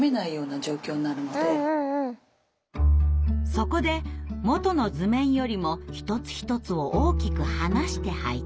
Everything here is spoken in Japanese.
そこで元の図面よりも一つ一つを大きく離して配置。